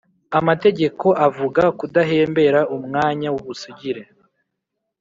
amategeko avuga kudahembera umwanya w’ ubusigire .